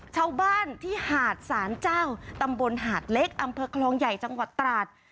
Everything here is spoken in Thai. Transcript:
ชาวบ้านที่หาดสารเจ้าตำบลหาดเล็กอำเภอคลองใหญ่จังหวัดตราด